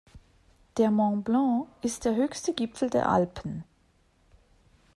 Der Mont Blanc ist der höchste Gipfel der Alpen.